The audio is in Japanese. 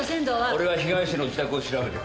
俺は被害者の自宅を調べる。